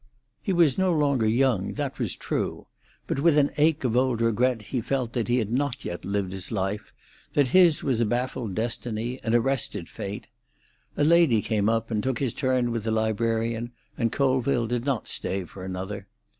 He was no longer young, that was true; but with an ache of old regret he felt that he had not yet lived his life, that his was a baffled destiny, an arrested fate. A lady came up and took his turn with the librarian, and Colville did not stay for another.